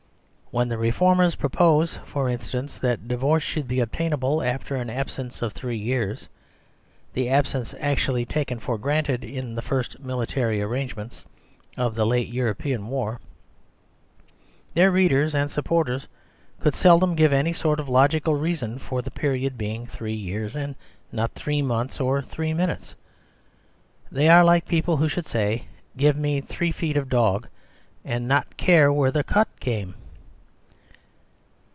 When the reformers propose, for instance, that divorce should be obtainable after an absence of three years (the absence actually taken for granted in the first military arrangements of the late European War) their readers and supporters could seldom give any sort of logical reason for the period being three years, and not three months or three minutes. They are like people who should say "Give me three feet of dog" ; and not care where the cut came.